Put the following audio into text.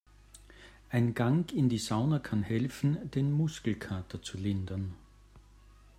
Ein Gang in die Sauna kann helfen, den Muskelkater zu lindern.